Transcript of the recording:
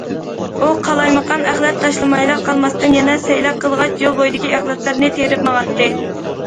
ئۇ قالايمىقان ئەخلەت تاشلىمايلا قالماستىن، يەنە سەيلە قىلغاچ يول بويىدىكى ئەخلەتلەرنى تېرىپ ماڭاتتى.